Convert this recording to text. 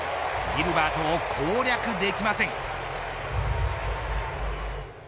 ギルバートを攻略できません。